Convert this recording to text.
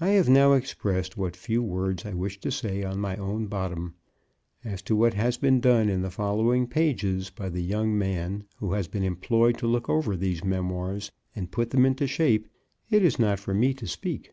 I have now expressed what few words I wish to say on my own bottom. As to what has been done in the following pages by the young man who has been employed to look over these memoirs and put them into shape, it is not for me to speak.